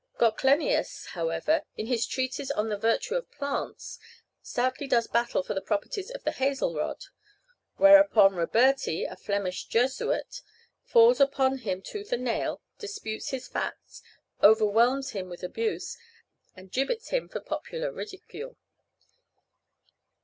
Goclenius, however, in his treatise on the virtue of plants, stoutly does battle for the properties of the hazel rod. Whereupon Roberti, a Flemish Jesuit, falls upon him tooth and nail, disputes his facts, overwhelms him with abuse, and gibbets him for popular ridicule.